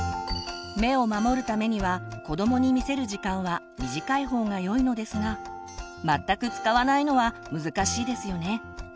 目を守るためには子どもに見せる時間は短い方がよいのですが全く使わないのは難しいですよね。